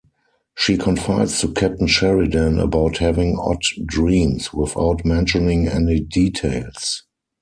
She confides to Captain Sheridan about having odd dreams, without mentioning any details.